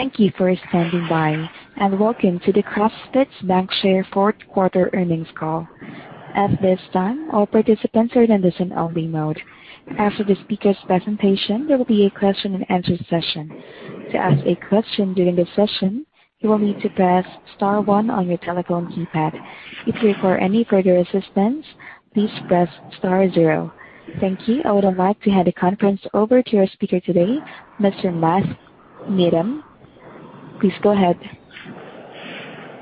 Thank you for standing by, and welcome to the CrossFirst Bankshares Fourth Quarter Earnings Call. At this time, all participants are in listen only mode. After the speaker's presentation, there will be a question and answer session. To ask a question during the session, you will need to press star one on your telephone keypad. If you require any further assistance, please press star zero. Thank you. I would like to hand the conference over to our speaker today, Mr. Matt Needham. Please go ahead.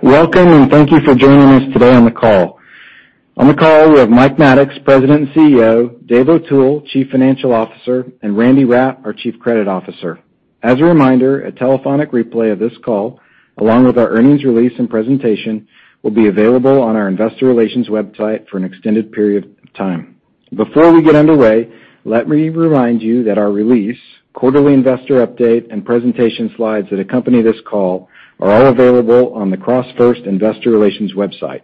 Welcome, and thank you for joining us today on the call. On the call, we have Mike Maddox, President and CEO, Dave O'Toole, Chief Financial Officer, and Randy Rapp, our Chief Credit Officer. As a reminder, a telephonic replay of this call, along with our earnings release and presentation, will be available on our investor relations website for an extended period of time. Before we get underway, let me remind you that our release, quarterly investor update, and presentation slides that accompany this call are all available on the CrossFirst investor relations website.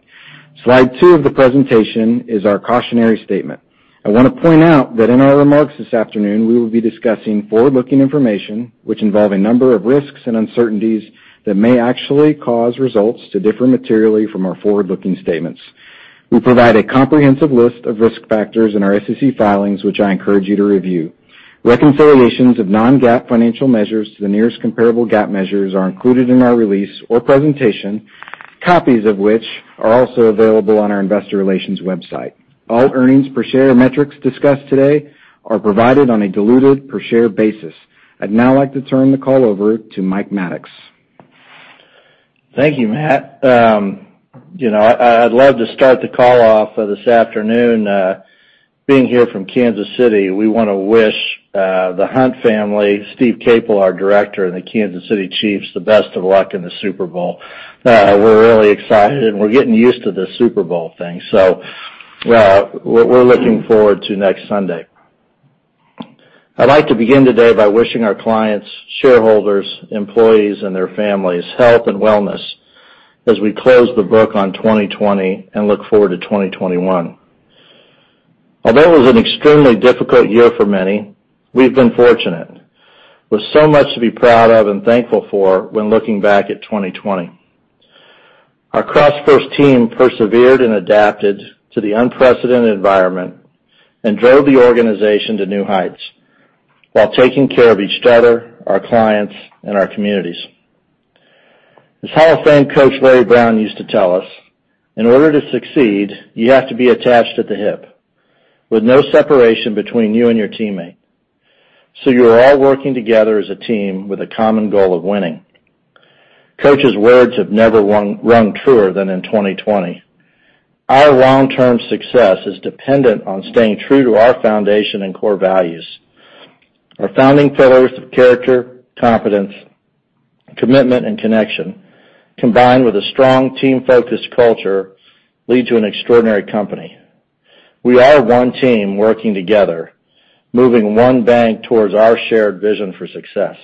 Slide two of the presentation is our cautionary statement. I want to point out that in our remarks this afternoon, we will be discussing forward-looking information which involve a number of risks and uncertainties that may actually cause results to differ materially from our forward-looking statements. We provide a comprehensive list of risk factors in our SEC filings, which I encourage you to review. Reconciliations of non-GAAP financial measures to the nearest comparable GAAP measures are included in our release or presentation, copies of which are also available on our investor relations website. All earnings per share metrics discussed today are provided on a diluted per share basis. I'd now like to turn the call over to Mike Maddox. Thank you, Matt. I'd love to start the call off this afternoon. Being here from Kansas City, we want to wish the Hunt family, Steve Caple, our director, and the Kansas City Chiefs the best of luck in the Super Bowl. We're really excited, and we're getting used to this Super Bowl thing, so we're looking forward to next Sunday. I'd like to begin today by wishing our clients, shareholders, employees, and their families health and wellness as we close the book on 2020 and look forward to 2021. Although it was an extremely difficult year for many, we've been fortunate, with so much to be proud of and thankful for when looking back at 2020. Our CrossFirst team persevered and adapted to the unprecedented environment and drove the organization to new heights while taking care of each starter, our clients, and our communities. As Hall of Fame coach Larry Brown used to tell us, in order to succeed, you have to be attached at the hip with no separation between you and your teammate. You are all working together as a team with a common goal of winning. Coach's words have never rung truer than in 2020. Our long-term success is dependent on staying true to our foundation and core values. Our founding pillars of character, competence, commitment, and connection, combined with a strong team-focused culture, lead to an extraordinary company. We are one team working together, moving one bank towards our shared vision for success.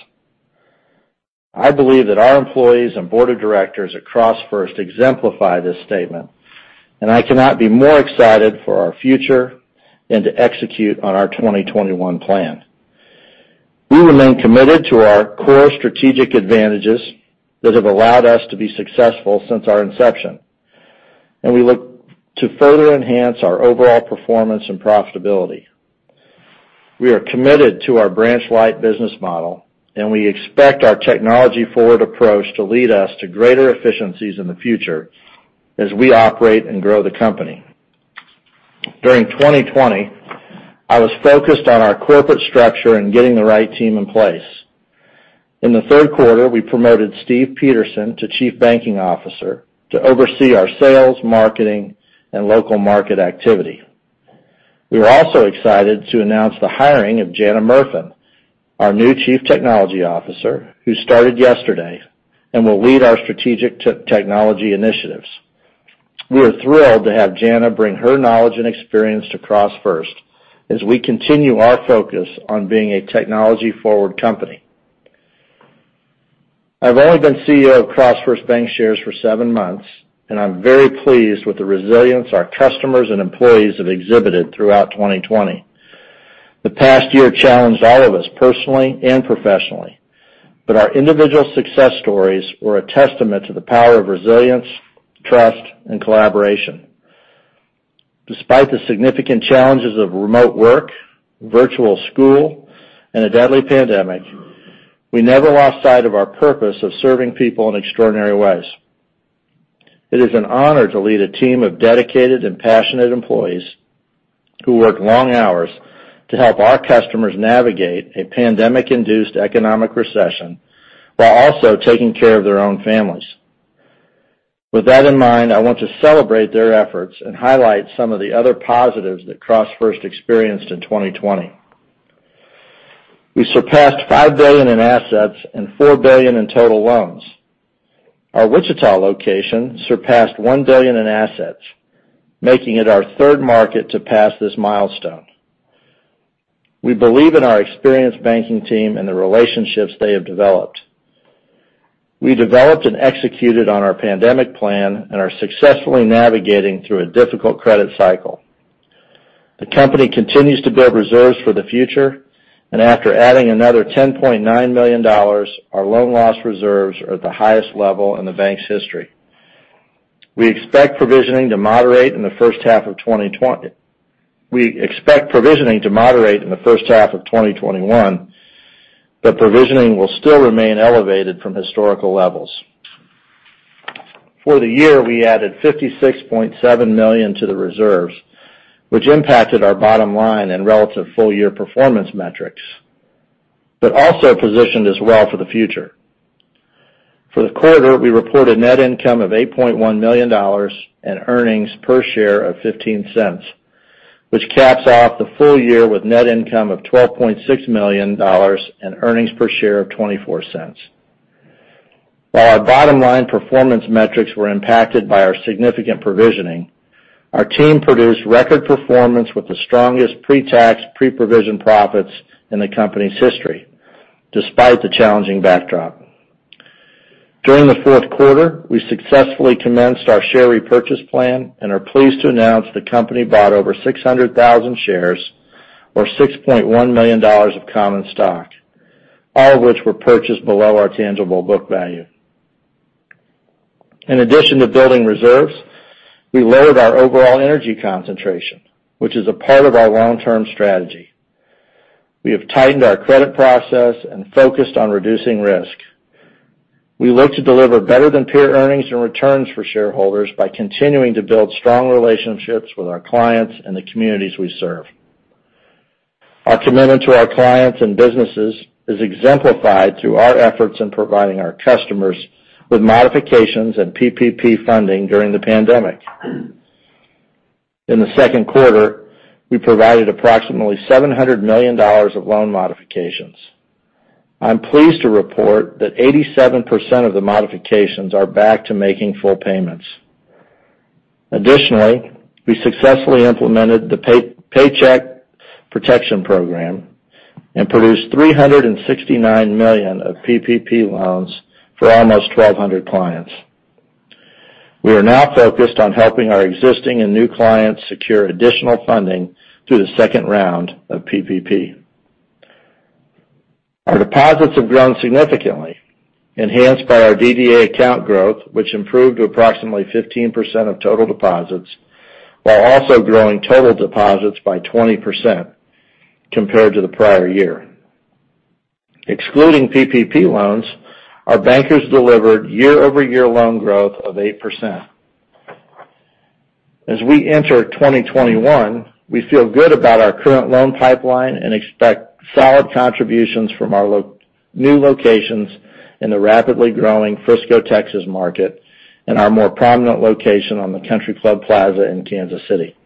I believe that our employees and board of directors at CrossFirst exemplify this statement, and I cannot be more excited for our future and to execute on our 2021 plan. We remain committed to our core strategic advantages that have allowed us to be successful since our inception, and we look to further enhance our overall performance and profitability. We are committed to our branch-light business model, and we expect our technology-forward approach to lead us to greater efficiencies in the future as we operate and grow the company. During 2020, I was focused on our corporate structure and getting the right team in place. In the third quarter, we promoted Steve Peterson to Chief Banking Officer to oversee our sales, marketing, and local market activity. We are also excited to announce the hiring of Jana Merfen, our new Chief Technology Officer, who started yesterday and will lead our strategic technology initiatives. We are thrilled to have Jana bring her knowledge and experience to CrossFirst as we continue our focus on being a technology-forward company. I've only been CEO of CrossFirst Bankshares for seven months, and I'm very pleased with the resilience our customers and employees have exhibited throughout 2020. The past year challenged all of us personally and professionally, but our individual success stories were a testament to the power of resilience, trust, and collaboration. Despite the significant challenges of remote work, virtual school, and a deadly pandemic, we never lost sight of our purpose of serving people in extraordinary ways. It is an honor to lead a team of dedicated and passionate employees who work long hours to help our customers navigate a pandemic-induced economic recession while also taking care of their own families. With that in mind, I want to celebrate their efforts and highlight some of the other positives that CrossFirst experienced in 2020. We surpassed $5 billion in assets and $4 billion in total loans. Our Wichita location surpassed $1 billion in assets, making it our third market to pass this milestone. We believe in our experienced banking team and the relationships they have developed. We developed and executed on our pandemic plan and are successfully navigating through a difficult credit cycle. The company continues to build reserves for the future. After adding another $10.9 million, our loan loss reserves are at the highest level in the bank's history. We expect provisioning to moderate in the first half of 2021, but provisioning will still remain elevated from historical levels. For the year, we added $56.7 million to the reserves, which impacted our bottom line and relative full-year performance metrics, but also positioned us well for the future. For the quarter, we reported net income of $8.1 million and earnings per share of $0.15, which caps off the full year with net income of $12.6 million and earnings per share of $0.24. While our bottom-line performance metrics were impacted by our significant provisioning, our team produced record performance with the strongest pretax, preprovision profits in the company's history despite the challenging backdrop. During the fourth quarter, we successfully commenced our share repurchase plan and are pleased to announce the company bought over 600,000 shares or $6.1 million of common stock, all of which were purchased below our tangible book value. In addition to building reserves, we lowered our overall energy concentration, which is a part of our long-term strategy. We have tightened our credit process and focused on reducing risk. We look to deliver better-than-peer earnings and returns for shareholders by continuing to build strong relationships with our clients and the communities we serve. Our commitment to our clients and businesses is exemplified through our efforts in providing our customers with modifications and PPP funding during the pandemic. In the second quarter, we provided approximately $700 million of loan modifications. I'm pleased to report that 87% of the modifications are back to making full payments. Additionally, we successfully implemented the Paycheck Protection Program and produced $369 million of PPP loans for almost 1,200 clients. We are now focused on helping our existing and new clients secure additional funding through the second round of PPP. Our deposits have grown significantly, enhanced by our DDA account growth, which improved to approximately 15% of total deposits, while also growing total deposits by 20% compared to the prior year. Excluding PPP loans, our bankers delivered year-over-year loan growth of 8%. As we enter 2021, we feel good about our current loan pipeline and expect solid contributions from our new locations in the rapidly growing Frisco, Texas, market and our more prominent location on the Country Club Plaza in Kansas City.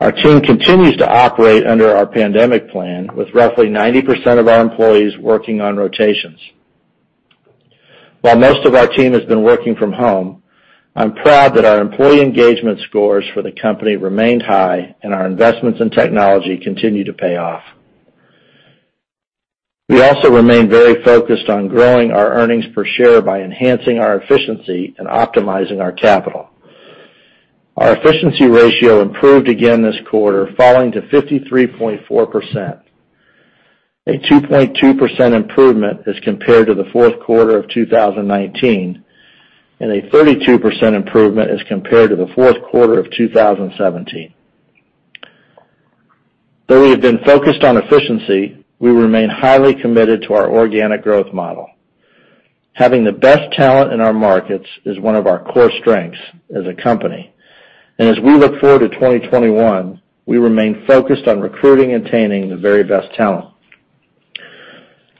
Our team continues to operate under our pandemic plan with roughly 90% of our employees working on rotations. While most of our team has been working from home, I'm proud that our employee engagement scores for the company remained high and our investments in technology continue to pay off. We also remain very focused on growing our earnings per share by enhancing our efficiency and optimizing our capital. Our efficiency ratio improved again this quarter, falling to 53.4%, a 2.2% improvement as compared to the fourth quarter of 2019 and a 32% improvement as compared to the fourth quarter of 2017. Though we have been focused on efficiency, we remain highly committed to our organic growth model. Having the best talent in our markets is one of our core strengths as a company. As we look forward to 2021, we remain focused on recruiting and attaining the very best talent.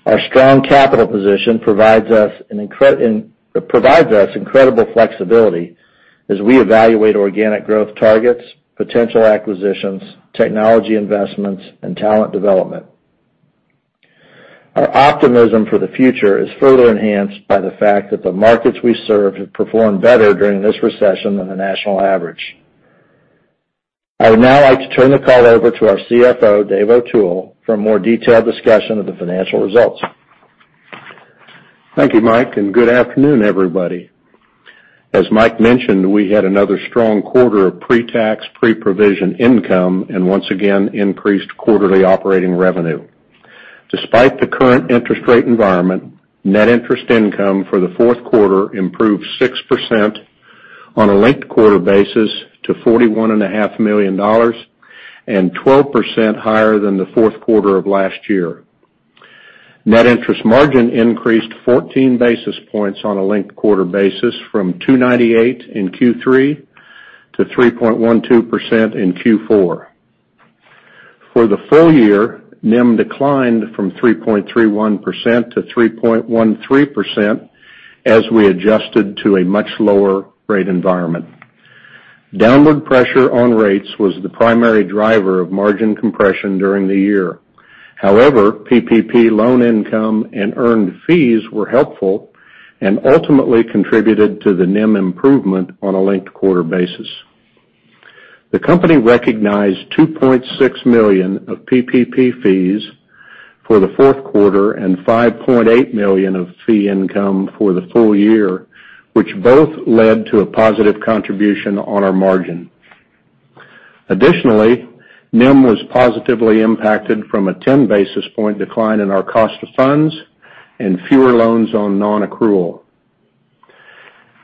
Our strong capital position provides us incredible flexibility as we evaluate organic growth targets, potential acquisitions, technology investments, and talent development. Our optimism for the future is further enhanced by the fact that the markets we serve have performed better during this recession than the national average. I would now like to turn the call over to our CFO, Dave O'Toole, for a more detailed discussion of the financial results. Thank you, Mike. Good afternoon, everybody. As Mike mentioned, we had another strong quarter of pretax, preprovision income and once again increased quarterly operating revenue. Despite the current interest rate environment, net interest income for the fourth quarter improved 6% on a linked-quarter basis to $41.5 million and 12% higher than the fourth quarter of last year. Net interest margin increased 14 basis points on a linked-quarter basis from 298 in Q3 to 3.12% in Q4. For the full year, NIM declined from 3.31% to 3.13% as we adjusted to a much lower rate environment. Downward pressure on rates was the primary driver of margin compression during the year. However, PPP loan income and earned fees were helpful and ultimately contributed to the NIM improvement on a linked-quarter basis. The company recognized $2.6 million of PPP fees for the fourth quarter and $5.8 million of fee income for the full year, which both led to a positive contribution on our margin. Additionally, NIM was positively impacted from a 10-basis point decline in our cost of funds and fewer loans on non-accrual.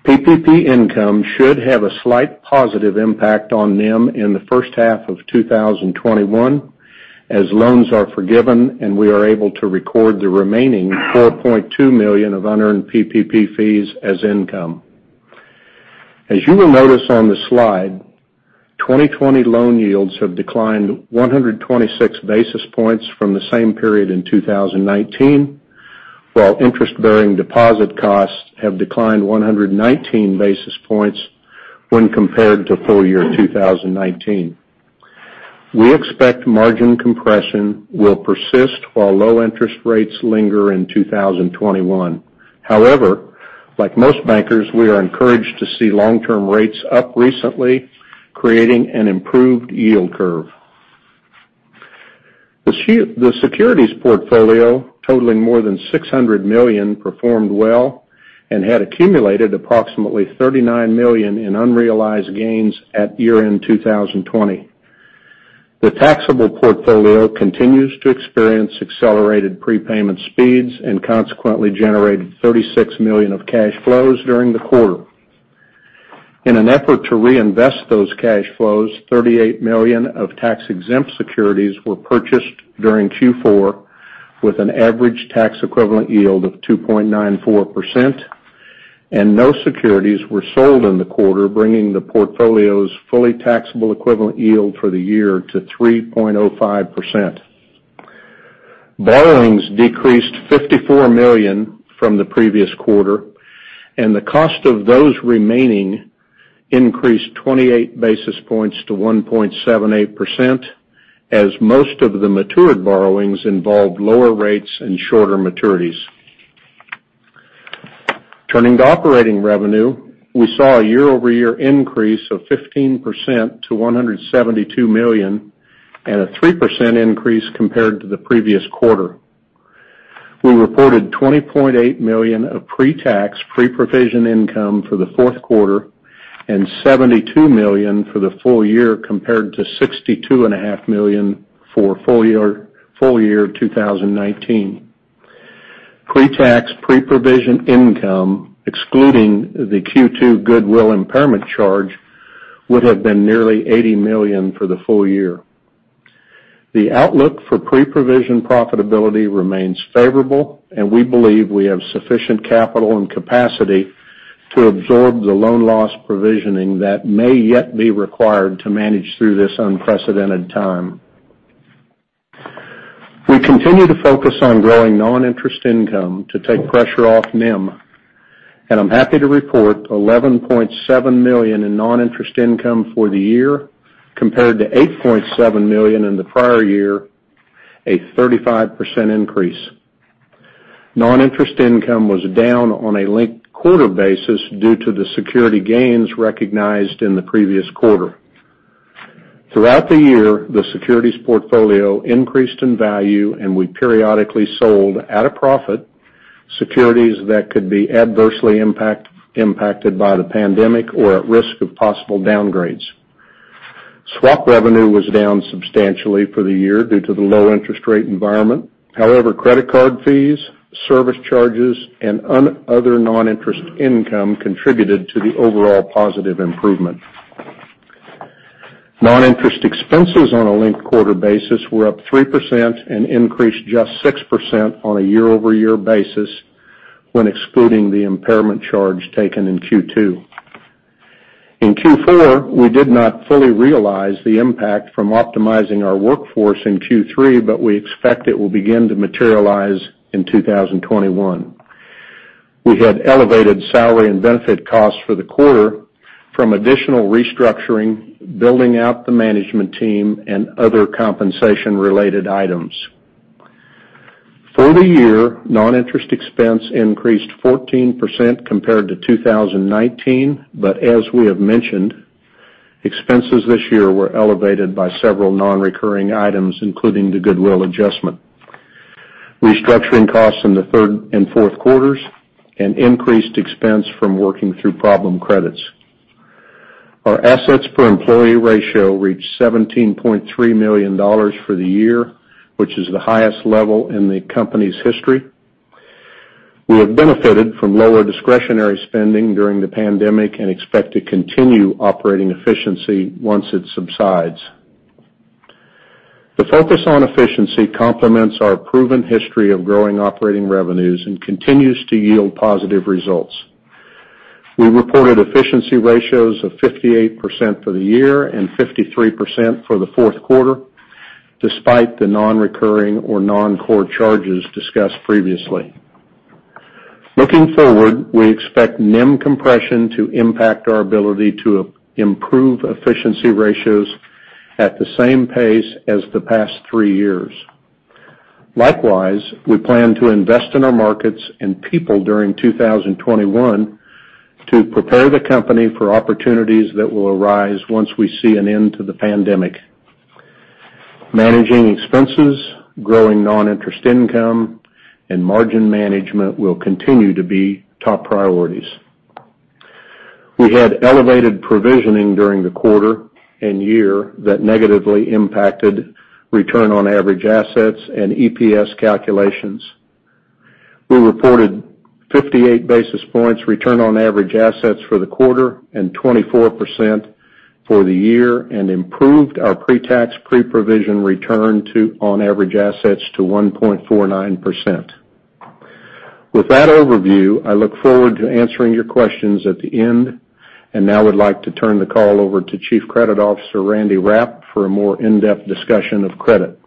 PPP income should have a slight positive impact on NIM in the first half of 2021 as loans are forgiven and we are able to record the remaining $4.2 million of unearned PPP fees as income. As you will notice on the slide, 2020 loan yields have declined 126 basis points from the same period in 2019, while interest-bearing deposit costs have declined 119 basis points when compared to full year 2019. We expect margin compression will persist while low interest rates linger in 2021. However, like most bankers, we are encouraged to see long-term rates up recently, creating an improved yield curve. The securities portfolio totaling more than $600 million, performed well and had accumulated approximately $39 million in unrealized gains at year-end 2020. The taxable portfolio continues to experience accelerated prepayment speeds and consequently generated $36 million of cash flows during the quarter. In an effort to reinvest those cash flows, $38 million of tax-exempt securities were purchased during Q4 with an average tax equivalent yield of 2.94%, and no securities were sold in the quarter, bringing the portfolio's fully taxable equivalent yield for the year to 3.05%. Borrowings decreased $54 million from the previous quarter, and the cost of those remaining increased 28 basis points to 1.78%, as most of the matured borrowings involved lower rates and shorter maturities. Turning to operating revenue, we saw a year-over-year increase of 15% to $172 million and a 3% increase compared to the previous quarter. We reported $20.8 million of pre-tax, pre-provision income for the fourth quarter and $72 million for the full year compared to $62.5 million for full year 2019. Pre-tax, pre-provision income, excluding the Q2 goodwill impairment charge, would have been nearly $80 million for the full year. The outlook for pre-provision profitability remains favorable, and we believe we have sufficient capital and capacity to absorb the loan loss provisioning that may yet be required to manage through this unprecedented time. We continue to focus on growing non-interest income to take pressure off NIM, and I'm happy to report $11.7 million in non-interest income for the year compared to $8.7 million in the prior year, a 35% increase. Non-interest income was down on a linked-quarter basis due to the security gains recognized in the previous quarter. Throughout the year, the securities portfolio increased in value, and we periodically sold, at a profit, securities that could be adversely impacted by the pandemic or at risk of possible downgrades. Swap revenue was down substantially for the year due to the low interest rate environment. However, credit card fees, service charges, and other non-interest income contributed to the overall positive improvement. Non-interest expenses on a linked-quarter basis were up 3% and increased just 6% on a year-over-year basis when excluding the impairment charge taken in Q2. In Q4, we did not fully realize the impact from optimizing our workforce in Q3, but we expect it will begin to materialize in 2021. We had elevated salary and benefit costs for the quarter from additional restructuring, building out the management team, and other compensation-related items. For the year, non-interest expense increased 14% compared to 2019, but as we have mentioned, expenses this year were elevated by several non-recurring items, including the goodwill adjustment, restructuring costs in the third and fourth quarters, and increased expense from working through problem credits. Our assets per employee ratio reached $17.3 million for the year, which is the highest level in the company's history. We have benefited from lower discretionary spending during the pandemic and expect to continue operating efficiency once it subsides. The focus on efficiency complements our proven history of growing operating revenues and continues to yield positive results. We reported efficiency ratios of 58% for the year and 53% for the fourth quarter, despite the non-recurring or non-core charges discussed previously. Looking forward, we expect NIM compression to impact our ability to improve efficiency ratios at the same pace as the past three years. Likewise, we plan to invest in our markets and people during 2021 to prepare the company for opportunities that will arise once we see an end to the pandemic. Managing expenses, growing non-interest income, and margin management will continue to be top priorities. We had elevated provisioning during the quarter and year that negatively impacted return on average assets and EPS calculations. We reported 58 basis points return on average assets for the quarter and 24% for the year, and improved our pre-tax, pre-provision return on average assets to 1.49%. With that overview, I look forward to answering your questions at the end, and now would like to turn the call over to Chief Credit Officer Randy Rapp for a more in-depth discussion of credit.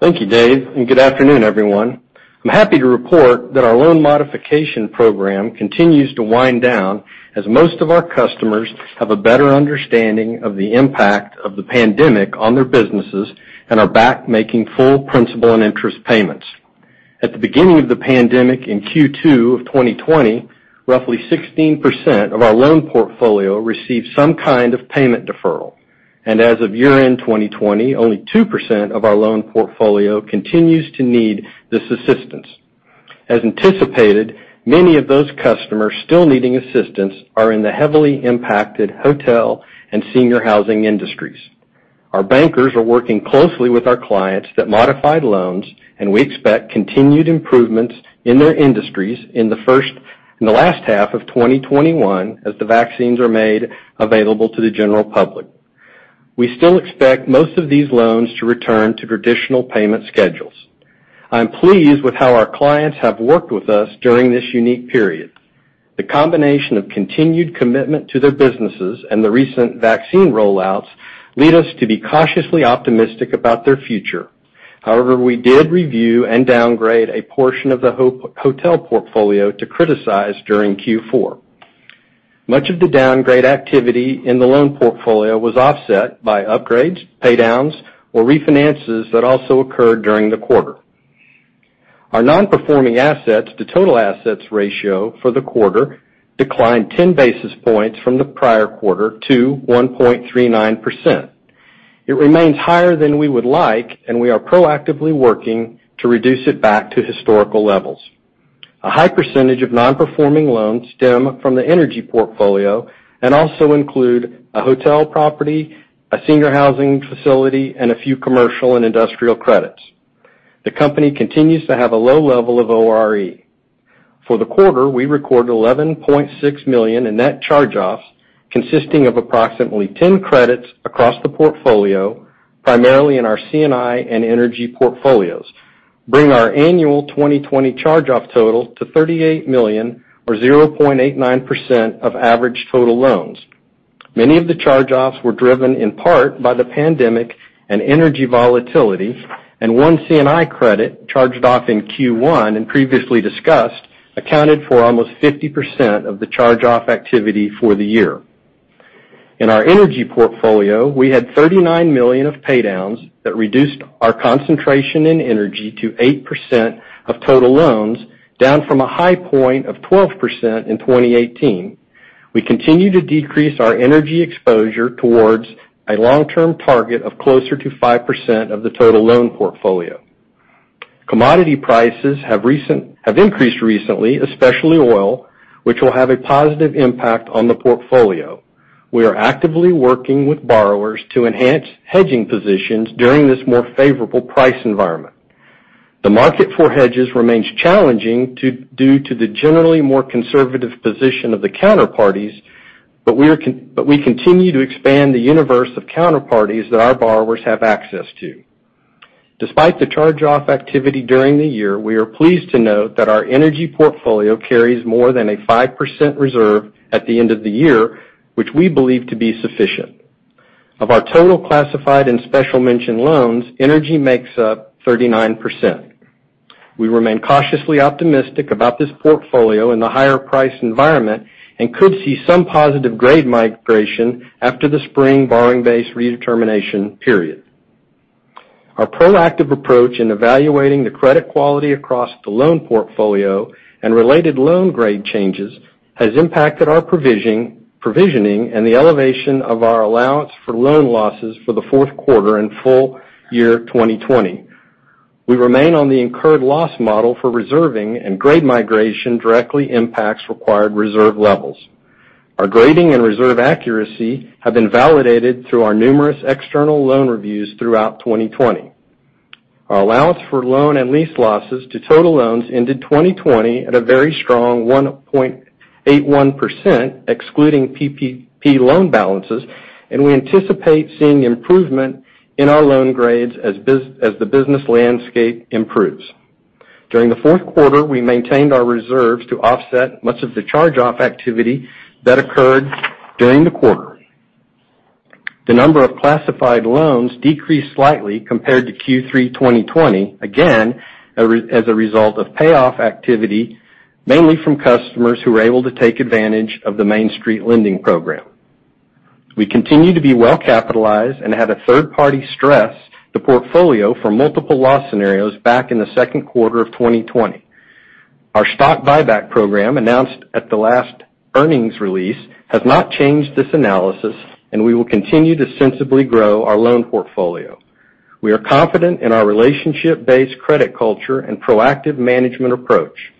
Thank you, Dave. Good afternoon, everyone. I'm happy to report that our loan modification program continues to wind down as most of our customers have a better understanding of the impact of the pandemic on their businesses and are back making full principal and interest payments. At the beginning of the pandemic in Q2 of 2020, roughly 16% of our loan portfolio received some kind of payment deferral. As of year-end 2020, only 2% of our loan portfolio continues to need this assistance. As anticipated, many of those customers still needing assistance are in the heavily impacted hotel and senior housing industries. Our bankers are working closely with our clients that modified loans, and we expect continued improvements in their industries in the last half of 2021 as the vaccines are made available to the general public. We still expect most of these loans to return to traditional payment schedules. I'm pleased with how our clients have worked with us during this unique period. The combination of continued commitment to their businesses and the recent vaccine roll-outs lead us to be cautiously optimistic about their future. We did review and downgrade a portion of the hotel portfolio to criticize during Q4. Much of the downgrade activity in the loan portfolio was offset by upgrades, pay-downs, or refinances that also occurred during the quarter. Our non-performing assets to total assets ratio for the quarter declined 10 basis points from the prior quarter to 1.39%. It remains higher than we would like, and we are proactively working to reduce it back to historical levels. A high percentage of non-performing loans stem from the energy portfolio and also include a hotel property, a senior housing facility, and a few commercial and industrial credits. The company continues to have a low level of ORE. For the quarter, we recorded $11.6 million in net charge-offs, consisting of approximately 10 credits across the portfolio, primarily in our C&I and energy portfolios, bring our annual 2020 charge-off total to $38 million or 0.89% of average total loans. Many of the charge-offs were driven in part by the pandemic and energy volatility. One C&I credit charged off in Q1 and previously discussed, accounted for almost 50% of the charge-off activity for the year. In our energy portfolio, we had $39 million of pay-downs that reduced our concentration in energy to 8% of total loans, down from a high point of 12% in 2018. We continue to decrease our energy exposure towards a long-term target of closer to 5% of the total loan portfolio. Commodity prices have increased recently, especially oil, which will have a positive impact on the portfolio. We are actively working with borrowers to enhance hedging positions during this more favorable price environment. The market for hedges remains challenging due to the generally more conservative position of the counterparties, but we continue to expand the universe of counterparties that our borrowers have access to. Despite the charge-off activity during the year, we are pleased to note that our energy portfolio carries more than a 5% reserve at the end of the year, which we believe to be sufficient. Of our total classified and special mention loans, energy makes up 39%. We remain cautiously optimistic about this portfolio in the higher price environment and could see some positive grade migration after the spring borrowing base redetermination period. Our proactive approach in evaluating the credit quality across the loan portfolio and related loan grade changes has impacted our provisioning and the elevation of our allowance for loan losses for the fourth quarter and full year 2020. We remain on the incurred loss model for reserving and grade migration directly impacts required reserve levels. Our grading and reserve accuracy have been validated through our numerous external loan reviews throughout 2020. Our allowance for loan and lease losses to total loans ended 2020 at a very strong 1.81%, excluding PPP loan balances, and we anticipate seeing improvement in our loan grades as the business landscape improves. During the fourth quarter, we maintained our reserves to offset much of the charge-off activity that occurred during the quarter. The number of classified loans decreased slightly compared to Q3 2020, again, as a result of payoff activity, mainly from customers who were able to take advantage of the Main Street Lending Program. We continue to be well-capitalized and had a third party stress the portfolio for multiple loss scenarios back in the second quarter of 2020. Our stock buyback program, announced at the last earnings release, has not changed this analysis, and we will continue to sensibly grow our loan portfolio. We are confident in our relationship-based credit culture and proactive management approach.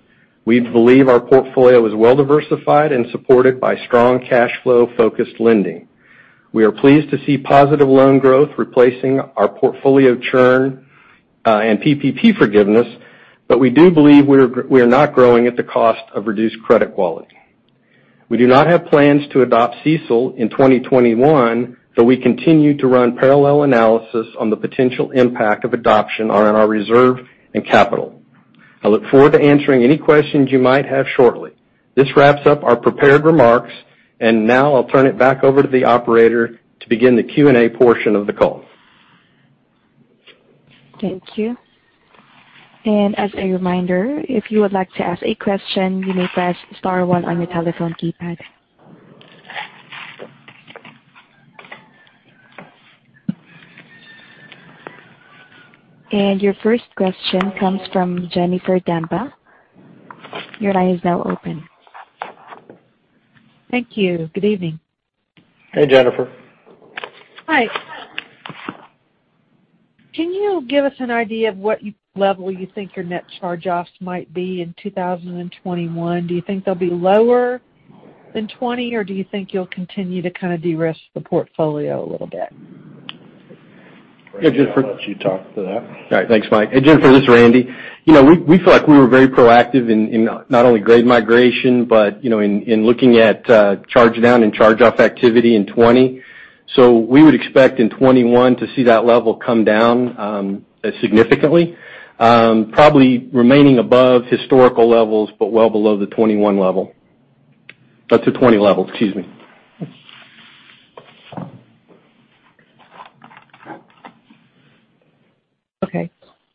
We believe our portfolio is well-diversified and supported by strong cash flow-focused lending. We are pleased to see positive loan growth replacing our portfolio churn, and PPP forgiveness, but we do believe we are not growing at the cost of reduced credit quality. We do not have plans to adopt CECL in 2021, though we continue to run parallel analysis on the potential impact of adoption on our reserve and capital. I look forward to answering any questions you might have shortly. This wraps up our prepared remarks, now I'll turn it back over to the operator to begin the Q&A portion of the call. Thank you. As a reminder, if you would like to ask a question, you may press star one on your telephone keypad. Your first question comes from Jennifer Demba. Your line is now open. Thank you. Good evening. Hey, Jennifer. Hi. Can you give us an idea of what level you think your net charge-offs might be in 2021? Do you think they'll be lower than 2020, or do you think you'll continue to kind of de-risk the portfolio a little bit? Hey, Jennifer. Randy, I'll let you talk to that. All right. Thanks, Mike. Hey, Jennifer, this is Randy. We feel like we were very proactive in not only grade migration, but in looking at charge down and charge-off activity in 2020. We would expect in 2021 to see that level come down, significantly. Probably remaining above historical levels, but well below the 2021 level. The 2020 level, excuse me.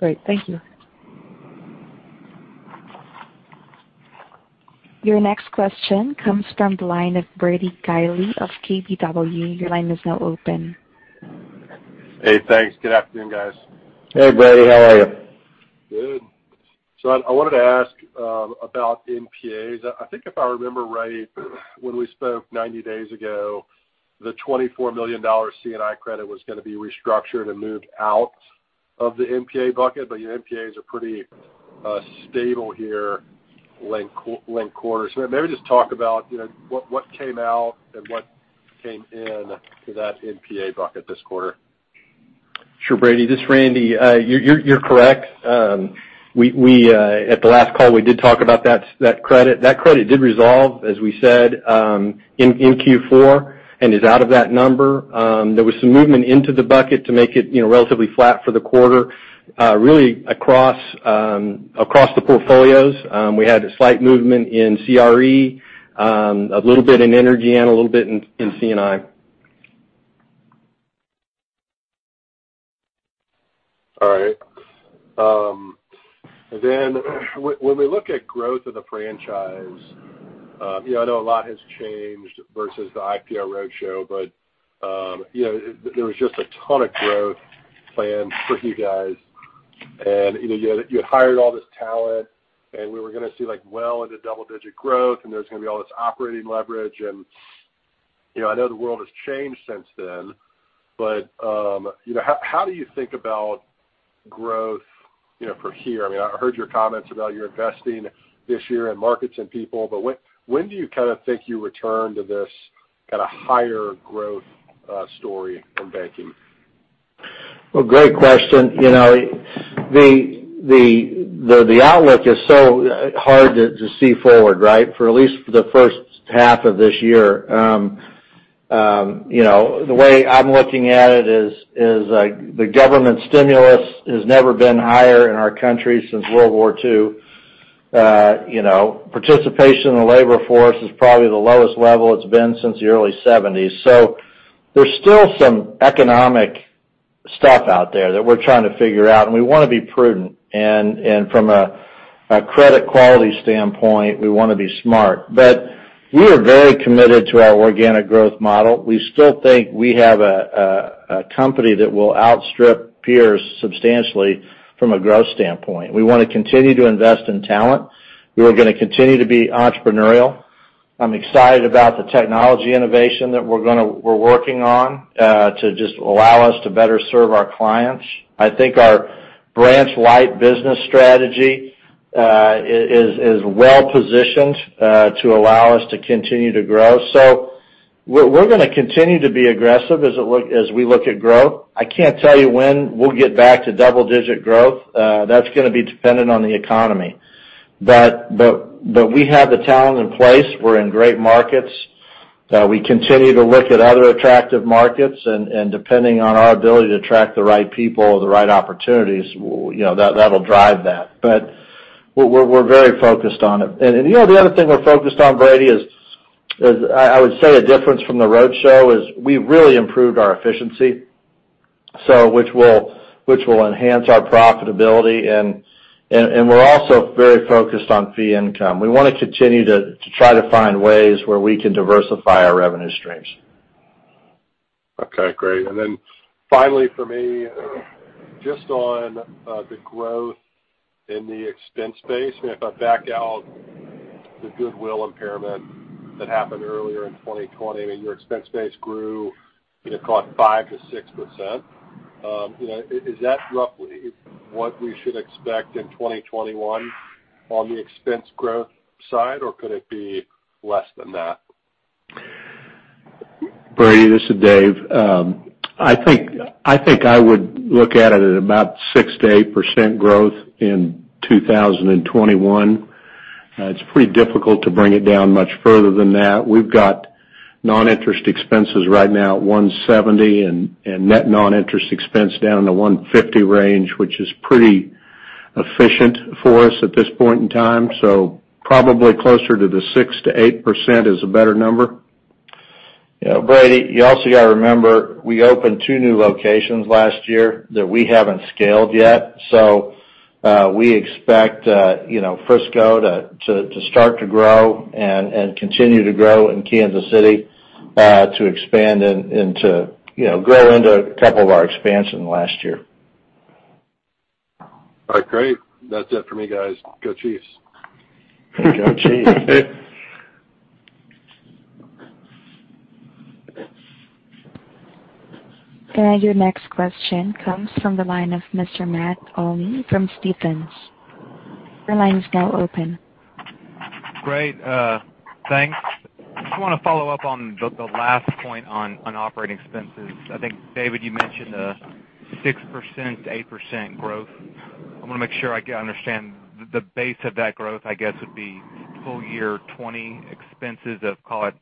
Okay, great. Thank you. Your next question comes from the line of Brady Gailey of KBW. Your line is now open. Hey, thanks. Good afternoon, guys. Hey, Brady. How are you? Good. I wanted to ask about NPAs. I think if I remember right, when we spoke 90 days ago, the $24 million C&I credit was going to be restructured and moved out of the NPA bucket, your NPAs are pretty stable here linked quarter. Maybe just talk about what came out and what came in to that NPA bucket this quarter. Sure, Brady. This is Randy. You're correct. At the last call, we did talk about that credit. That credit did resolve, as we said, in Q4 and is out of that number. There was some movement into the bucket to make it relatively flat for the quarter, really across the portfolios. We had a slight movement in CRE, a little bit in energy and a little bit in C&I. All right. When we look at growth of the franchise, I know a lot has changed versus the IPO roadshow, but there was just a ton of growth planned for you guys. You had hired all this talent, and we were going to see well into double-digit growth, and there was going to be all this operating leverage. I know the world has changed since then, but how do you think about growth from here? I heard your comments about your investing this year in markets and people, but when do you kind of think you return to this kind of higher growth story in banking? Well, great question. The outlook is so hard to see forward, right, for at least the first half of this year. The way I'm looking at it is the government stimulus has never been higher in our country since World War II. Participation in the labor force is probably the lowest level it's been since the early '70s. There's still some economic stuff out there that we're trying to figure out, and we want to be prudent. From a credit quality standpoint, we want to be smart. We are very committed to our organic growth model. We still think we have a company that will outstrip peers substantially from a growth standpoint. We want to continue to invest in talent. We are going to continue to be entrepreneurial. I'm excited about the technology innovation that we're working on to just allow us to better serve our clients. I think our branch light business strategy is well-positioned to allow us to continue to grow. We're going to continue to be aggressive as we look at growth. I can't tell you when we'll get back to double-digit growth. That's going to be dependent on the economy. We have the talent in place. We're in great markets. We continue to look at other attractive markets, depending on our ability to attract the right people, the right opportunities, that'll drive that. We're very focused on it. The other thing we're focused on, Brady, is I would say a difference from the roadshow is we really improved our efficiency. Which will enhance our profitability. We're also very focused on fee income. We want to continue to try to find ways where we can diversify our revenue streams. Okay, great. Finally for me, just on the growth in the expense base, if I back out the goodwill impairment that happened earlier in 2020, I mean, your expense base grew, call it 5%-6%. Is that roughly what we should expect in 2021 on the expense growth side, or could it be less than that? Brady, this is Dave. I think I would look at it at about 6%-8% growth in 2021. It's pretty difficult to bring it down much further than that. We've got non-interest expenses right now at $170 and net non-interest expense down in the $150 range, which is pretty efficient for us at this point in time. Probably closer to the 6%-8% is a better number. Yeah. Brady, you also got to remember, we opened two new locations last year that we haven't scaled yet. We expect Frisco to start to grow and continue to grow in Kansas City, to expand and to grow into a couple of our expansion last year. All right. Great. That's it for me, guys. Go Chiefs. Go Chiefs. Your next question comes from the line of Mr. Matt Olney from Stephens. Your line is now open. Great. Thanks. I just want to follow up on the last point on operating expenses. I think, Dave, you mentioned a 6%-8% growth. I want to make sure I understand. The base of that growth, I guess, would be full year 2020 expenses of, call it,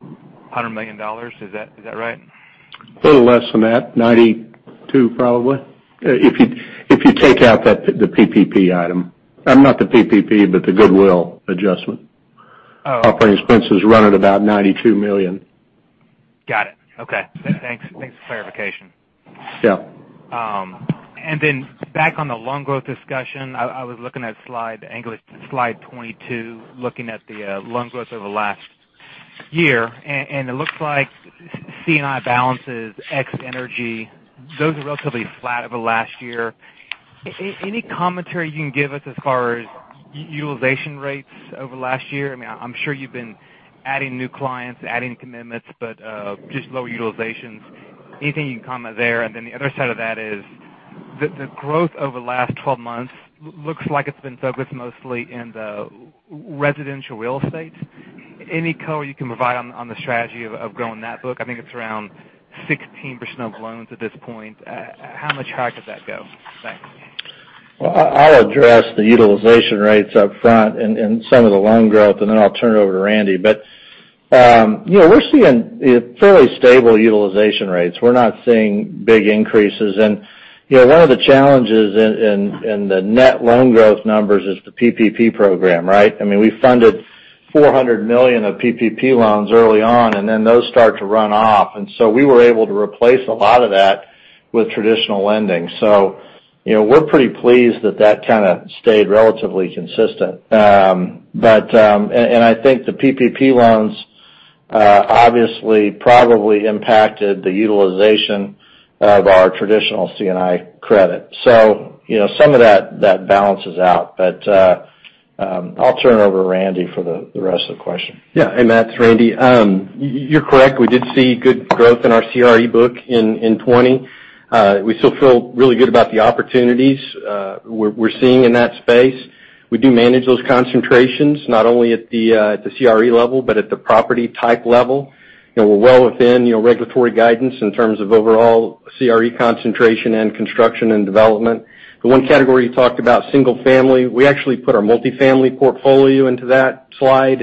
$100 million. Is that right? Little less than that. 92 probably. If you take out the PPP item, not the PPP, but the goodwill adjustment. Oh. Operating expenses run at about $92 million. Got it. Okay. Thanks for the clarification. Yeah. Back on the loan growth discussion, I was looking at slide 22, looking at the loan growth over the last year, it looks like C&I balances, ex energy, those are relatively flat over the last year. Any commentary you can give us as far as utilization rates over last year? I mean, I'm sure you've been adding new clients, adding commitments, but just lower utilizations. Anything you can comment there? The other side of that is the growth over the last 12 months looks like it's been focused mostly in the residential real estate. Any color you can provide on the strategy of growing that book? I think it's around 16% of loans at this point. How much higher could that go? Thanks. Well, I'll address the utilization rates up front and some of the loan growth, then I'll turn it over to Randy. We're seeing fairly stable utilization rates. We're not seeing big increases. One of the challenges in the net loan growth numbers is the PPP program, right? I mean, we funded $400 million of PPP loans early on, and then those start to run off. We were able to replace a lot of that with traditional lending. We're pretty pleased that that kind of stayed relatively consistent. I think the PPP loans obviously probably impacted the utilization of our traditional C&I credit. Some of that balances out. I'll turn it over to Randy for the rest of the question. Hey, Matt, it's Randy. You're correct, we did see good growth in our CRE book in 2020. We still feel really good about the opportunities we're seeing in that space. We do manage those concentrations, not only at the CRE level, but at the property type level. We're well within regulatory guidance in terms of overall CRE concentration and construction and development. The one category you talked about, single family, we actually put our multifamily portfolio into that slide.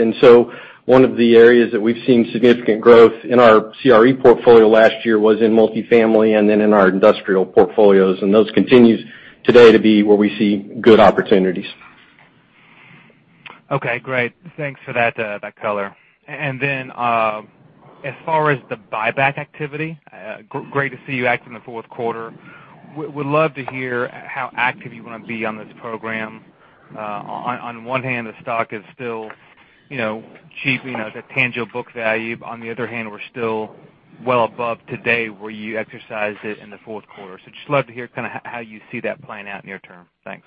One of the areas that we've seen significant growth in our CRE portfolio last year was in multifamily and then in our industrial portfolios. Those continues today to be where we see good opportunities. Okay, great. Thanks for that color. As far as the buyback activity, great to see you act in the fourth quarter. Would love to hear how active you want to be on this program. On one hand, the stock is still cheap, the tangible book value. On the other hand, we're still well above today where you exercised it in the fourth quarter. Just love to hear kind of how you see that playing out near term. Thanks.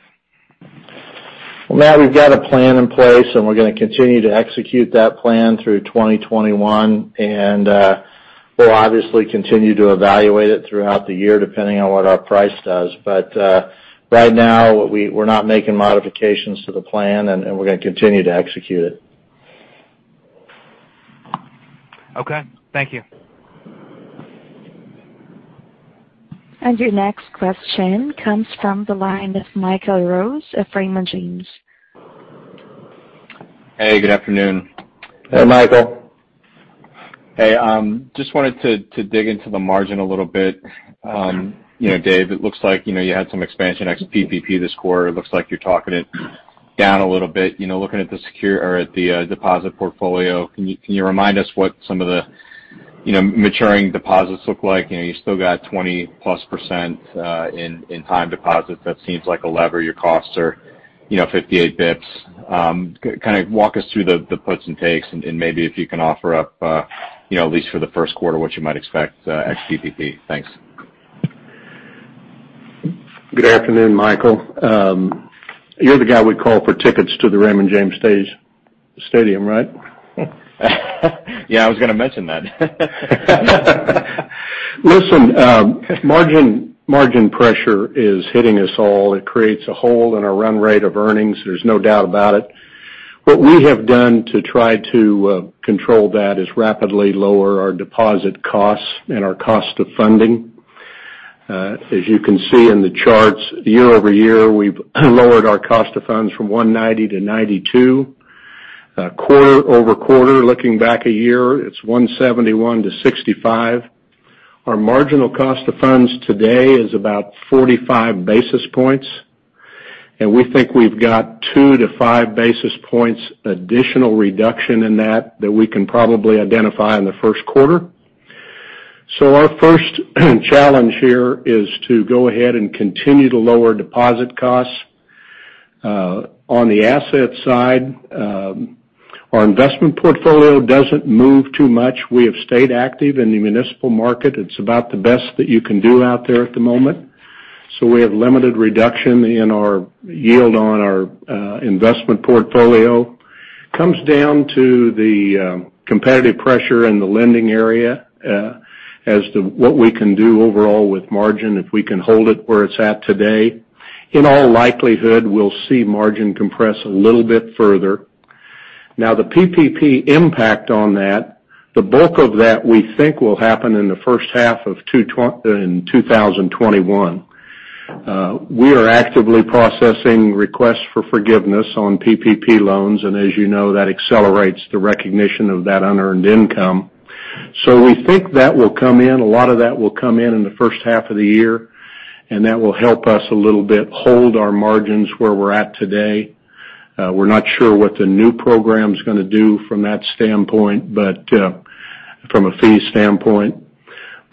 Well, Matt, we've got a plan in place, and we're going to continue to execute that plan through 2021. We'll obviously continue to evaluate it throughout the year, depending on what our price does. Right now, we're not making modifications to the plan, and we're going to continue to execute it. Okay. Thank you. Your next question comes from the line of Michael Rose of Raymond James. Hey, good afternoon. Hey, Michael. Hey. Just wanted to dig into the margin a little bit. Dave, it looks like you had some expansion ex PPP this quarter. It looks like you're talking it down a little bit, looking at the deposit portfolio. Can you remind us what some of the maturing deposits look like? You still got 20%+ in time deposits. That seems like a lever. Your costs are 58 basis points. Walk us through the puts and takes and maybe if you can offer up, at least for the first quarter, what you might expect ex PPP. Thanks. Good afternoon, Michael. You're the guy we call for tickets to the Raymond James Stadium, right? Yeah, I was going to mention that. Listen, margin pressure is hitting us all. It creates a hole in our run rate of earnings. There's no doubt about it. What we have done to try to control that is rapidly lower our deposit costs and our cost of funding. As you can see in the charts, year-over-year, we've lowered our cost of funds from 190 to 92. Quarter-over-quarter, looking back a year, it's 171 to 65. Our marginal cost of funds today is about 45 basis points, and we think we've got 2-5 basis points additional reduction in that that we can probably identify in the first quarter. Our first challenge here is to go ahead and continue to lower deposit costs. On the asset side, our investment portfolio doesn't move too much. We have stayed active in the municipal market. It's about the best that you can do out there at the moment. We have limited reduction in our yield on our investment portfolio. Comes down to the competitive pressure in the lending area as to what we can do overall with margin if we can hold it where it's at today. In all likelihood, we'll see margin compress a little bit further. The PPP impact on that, the bulk of that, we think, will happen in the first half in 2021. We are actively processing requests for forgiveness on PPP loans, and as you know, that accelerates the recognition of that unearned income. We think a lot of that will come in in the first half of the year, and that will help us a little bit hold our margins where we're at today. We're not sure what the new program's going to do from a fee standpoint.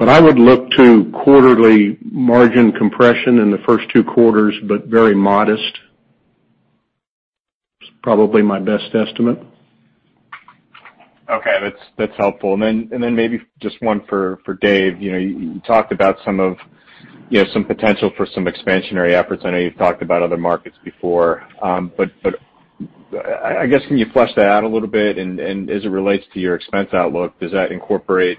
I would look to quarterly margin compression in the first two quarters, but very modest. It's probably my best estimate. Okay. That's helpful. Then maybe just one for Dave. You talked about some potential for some expansionary efforts. I know you've talked about other markets before. I guess, can you flesh that out a little bit? As it relates to your expense outlook, does that incorporate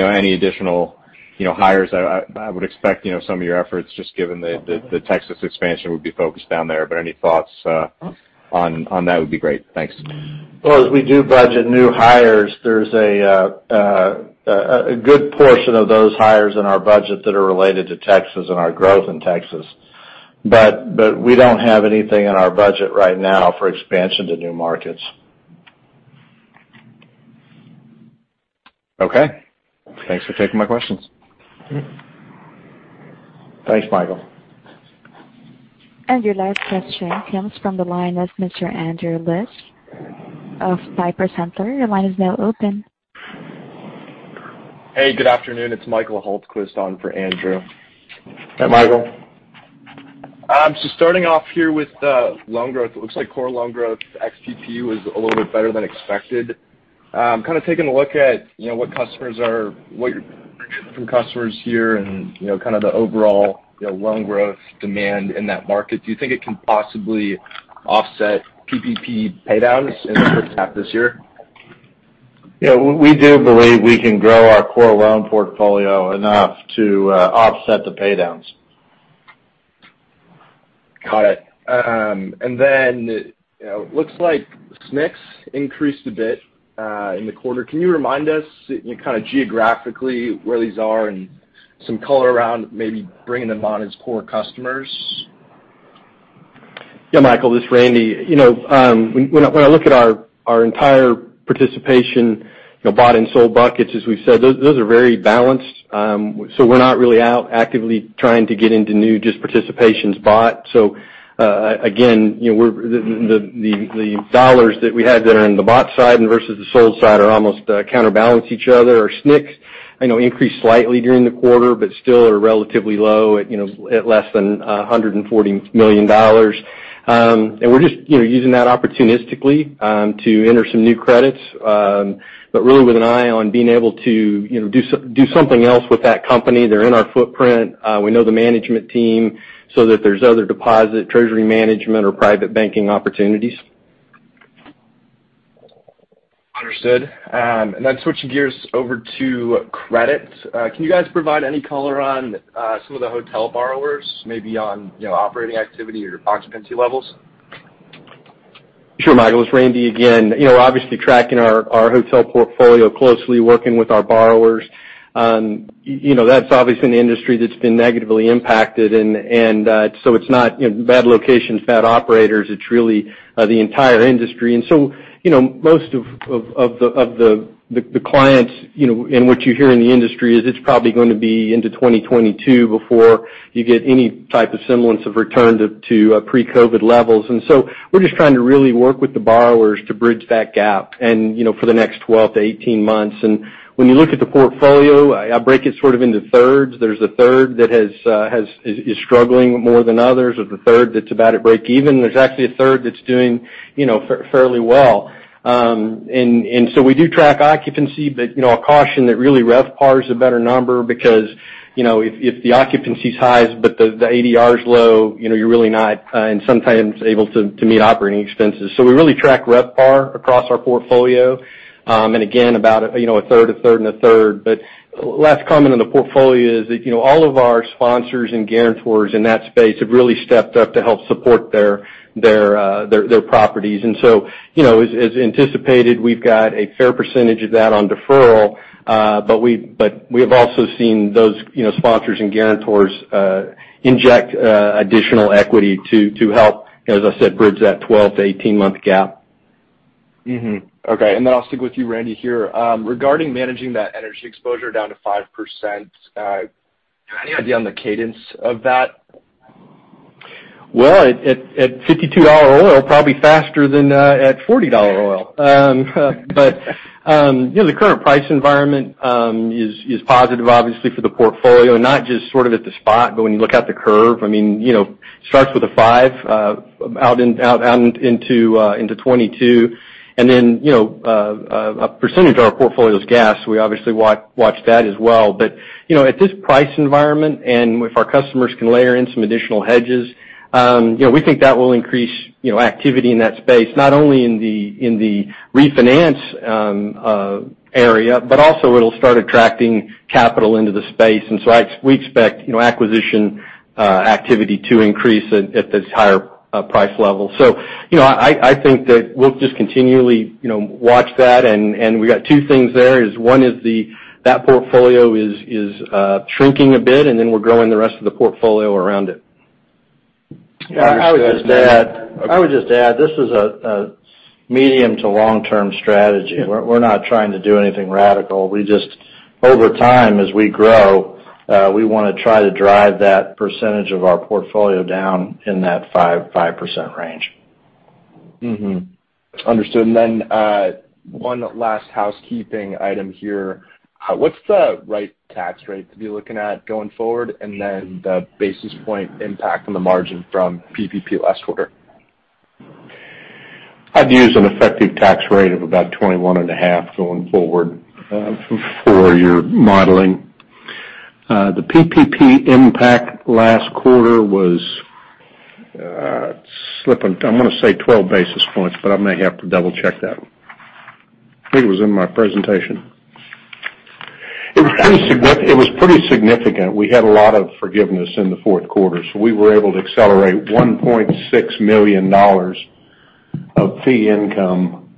any additional hires? I would expect some of your efforts, just given the Texas expansion would be focused down there. Any thoughts on that would be great. Thanks. As we do budget new hires, there's a good portion of those hires in our budget that are related to Texas and our growth in Texas. We don't have anything in our budget right now for expansion to new markets. Okay. Thanks for taking my questions. Thanks, Michael. Your last question comes from the line of Mr. Andrew Liesch of Piper Sandler. Your line is now open. Hey, good afternoon. It's Michael Hultquist on for Andrew. Hey, Michael. Starting off here with loan growth. It looks like core loan growth ex PPP is a little bit better than expected. Kind of taking a look at what you're hearing from customers here and kind of the overall loan growth demand in that market. Do you think it can possibly offset PPP paydowns in the first half this year? Yeah. We do believe we can grow our core loan portfolio enough to offset the paydowns. Got it. Then it looks like SNCs increased a bit in the quarter. Can you remind us kind of geographically where these are and some color around maybe bringing them on as core customers? Yeah, Michael, this is Randy. When I look at our entire participation, bought and sold buckets, as we've said, those are very balanced. We're not really out actively trying to get into new just participations bought. Again, the dollars that we have that are in the bought side and versus the sold side almost counterbalance each other. Our SNCs, I know, increased slightly during the quarter, but still are relatively low at less than $140 million. We're just using that opportunistically to enter some new credits. Really with an eye on being able to do something else with that company. They're in our footprint. We know the management team, that there's other deposit treasury management or private banking opportunities. Understood. Switching gears over to credit. Can you guys provide any color on some of the hotel borrowers, maybe on operating activity or occupancy levels? Sure, Michael. It's Randy again. Obviously tracking our hotel portfolio closely, working with our borrowers. That's obviously an industry that's been negatively impacted. It's not bad locations, bad operators, it's really the entire industry. Most of the clients and what you hear in the industry is it's probably going to be into 2022 before you get any type of semblance of return to pre-COVID levels. We're just trying to really work with the borrowers to bridge that gap, and for the next 12-18 months. When you look at the portfolio, I break it sort of into thirds. There's a third that is struggling more than others. There's a third that's about at breakeven. There's actually a third that's doing fairly well. We do track occupancy, but I'll caution that really RevPAR is a better number because, if the occupancy's high but the ADR is low, you're really not sometimes able to meet operating expenses. We really track RevPAR across our portfolio. Again, about a third, a third, and a third. Last comment on the portfolio is that all of our sponsors and guarantors in that space have really stepped up to help support their properties. As anticipated, we've got a fair percentage of that on deferral. We have also seen those sponsors and guarantors inject additional equity to help, as I said, bridge that 12 to 18-month gap. Okay. I'll stick with you, Randy, here. Regarding managing that energy exposure down to 5%, do you have any idea on the cadence of that? Well, at $52 oil, probably faster than at $40 oil. The current price environment is positive, obviously, for the portfolio, not just sort of at the spot, but when you look out the curve. I mean, it starts with a five out into 2022. A percentage of our portfolio's gas. We obviously watch that as well. At this price environment, and if our customers can layer in some additional hedges, we think that will increase activity in that space, not only in the refinance area, but also it'll start attracting capital into the space. We expect acquisition activity to increase at this higher price level. I think that we'll just continually watch that. We got two things there is one is that portfolio is shrinking a bit, and then we're growing the rest of the portfolio around it. Understood. I would just add, this is a medium to long-term strategy. We're not trying to do anything radical. We just, over time, as we grow, we want to try to drive that % of our portfolio down in that 5% range. Understood. One last housekeeping item here. What's the right tax rate to be looking at going forward, and then the basis point impact on the margin from PPP last quarter? I'd use an effective tax rate of about 21.5 going forward for your modeling. The PPP impact last quarter, I'm going to say 12 basis points, but I may have to double-check that one. I think it was in my presentation. It was pretty significant. We had a lot of forgiveness in the fourth quarter, so we were able to accelerate $1.6 million of fee income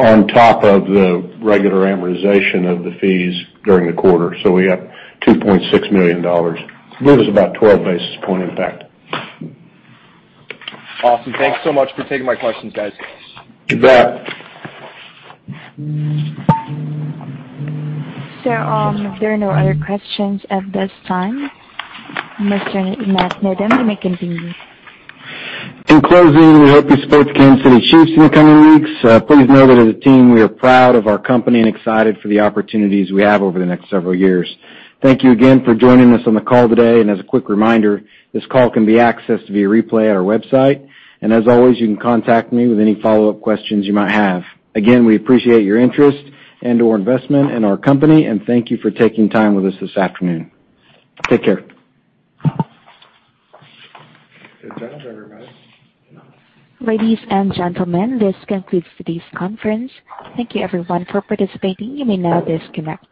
on top of the regular amortization of the fees during the quarter. We have $2.6 million. I believe it was about a 12-basis-point impact. Awesome. Thanks so much for taking my questions, guys. You bet. There are no other questions at this time. Mr. Matt Needham, you may continue. In closing, we hope you support the Kansas City Chiefs in the coming weeks. Please know that as a team, we are proud of our company and excited for the opportunities we have over the next several years. Thank you again for joining us on the call today, and as a quick reminder, this call can be accessed via replay at our website. As always, you can contact me with any follow-up questions you might have. Again, we appreciate your interest and or investment in our company, and thank you for taking time with us this afternoon. Take care. Good job, everybody. Ladies and gentlemen, this concludes today's conference. Thank you everyone for participating. You may now disconnect.